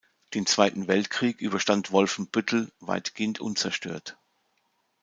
Den Zweiten Weltkrieg überstand Wolfenbüttel weitgehend unzerstört.